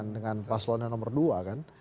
dengan paselan yang nomor dua